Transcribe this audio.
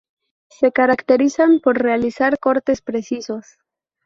Se caracterizan por realizar cortes precisos.